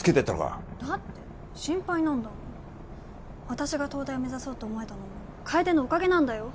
私が東大を目指そうと思えたのも楓のおかげなんだよ